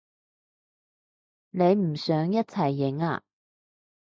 你唔想一齊影啊？